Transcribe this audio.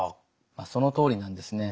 そのとおりなんですね。